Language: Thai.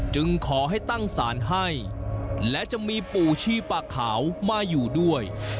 จึงขอให้ตั้งศาลให้และจะมีปู่ชีปากขาวมาอยู่ด้วย